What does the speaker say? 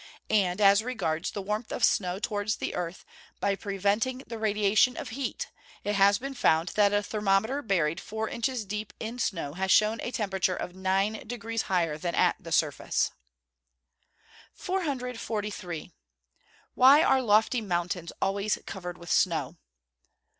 And, as regards the warmth of snow towards the earth, by preventing the radiation of heat, it has been found that a thermometer buried four inches deep in snow has shown a temperature of nine degrees higher than at the surface. 443. _Why are lofty mountains always covered with snow?